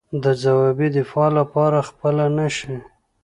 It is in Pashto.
د ځوابي دفاع لاره خپله نه شي.